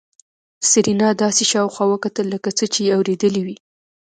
سېرېنا داسې شاوخوا وکتل لکه څه چې يې اورېدلي وي.